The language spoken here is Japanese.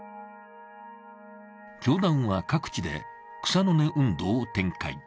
教団は、各地で草の根運動を展開。